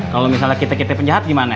kalau misalnya kita kita penjahat gimana